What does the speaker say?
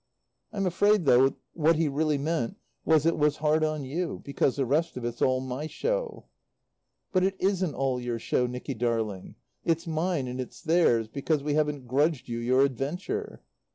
"I'm afraid, though, what he really meant was it was hard on you; because the rest of it's all my show." "But it isn't all your show, Nicky darling. It's mine, and it's theirs because we haven't grudged you your adventure."